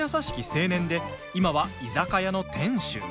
青年で今は居酒屋の店主。